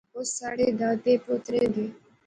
او ساڑھے دادیں پوترے دے